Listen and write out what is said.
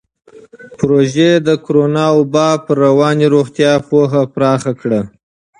پروژه د کورونا وبا پر رواني روغتیا پوهه پراخه کړې.